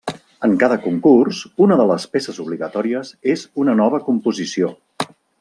En cada concurs, una de les peces obligatòries és una nova composició.